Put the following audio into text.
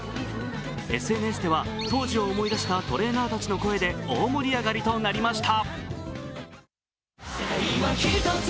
ＳＮＳでは当時を思い出したトレーナーたちの声で大盛り上がりとなりました。